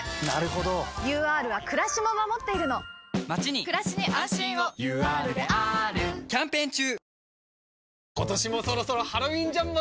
ＵＲはくらしも守っているのまちにくらしに安心をＵＲであーるキャンペーン中！